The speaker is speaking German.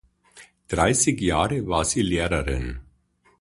Dreißig Jahre war sie Lehrerin.